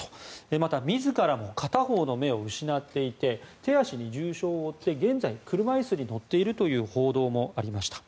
また自らも片方の目を失っていて手足に重傷を負って現在、車椅子に乗っているという報道もありました。